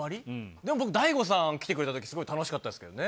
でも僕、大悟さん、来てくれたとき、すごい楽しかったですけどね。